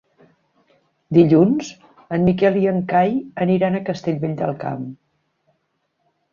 Dilluns en Miquel i en Cai aniran a Castellvell del Camp.